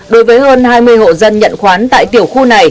đối với hơn hai mươi hộ dân nhận khoán tại tiểu khu này